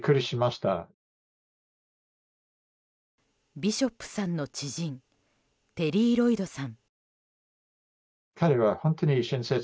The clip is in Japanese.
ビショップさんの知人テリー・ロイドさん。